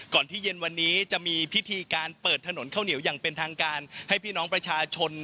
ที่เย็นวันนี้จะมีพิธีการเปิดถนนข้าวเหนียวอย่างเป็นทางการให้พี่น้องประชาชน